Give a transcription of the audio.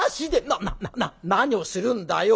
「ななな何をするんだよ！